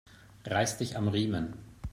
Reiß dich am Riemen!